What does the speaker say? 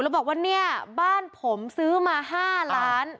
แล้วบอกว่าเนี่ยบ้านผมซื้อมา๕ล้าน